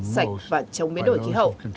sạch và chống biến đổi khí hậu